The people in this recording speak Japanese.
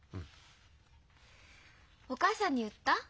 お母さんに言った？